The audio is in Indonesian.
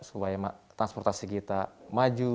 supaya transportasi kita maju